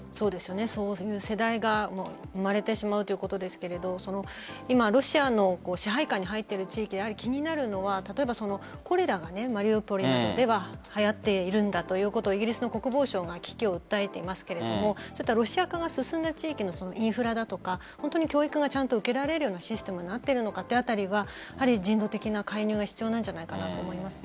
そういう世代が生まれてしまうということですが今、ロシアの支配下に入っている地域で気になるのは例えばコレラがマリウポリなどでははやっているんだということをイギリスの国防省が危機を訴えていますがロシア化が進んだ地域のインフラだとか教育が受けられるようなシステムになっているのかというあたりは人道的な介入が必要なんじゃないかなと思います。